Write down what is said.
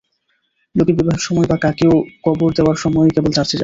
লোকে বিবাহের সময় বা কাকেও কবর দেবার সময়েই কেবল চার্চে যায়।